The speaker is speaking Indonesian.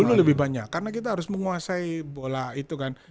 dulu lebih banyak karena kita harus menguasai bola itu kan